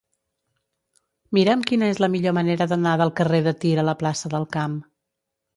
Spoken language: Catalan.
Mira'm quina és la millor manera d'anar del carrer de Tir a la plaça del Camp.